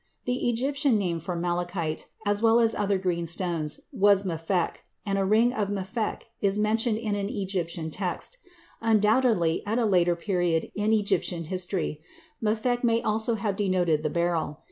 The Egyptian name for malachite, as well as for other green stones, was mafek, and a ring of mafek is mentioned in an Egyptian text; undoubtedly, at a later period in Egyptian history, mafek may also have denoted the beryl.